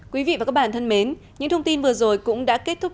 quý vị và các bạn thân mến những thông tin vừa rồi cũng đã kết thúc